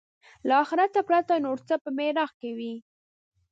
له آخرته پرته نور څه په محراق کې وي.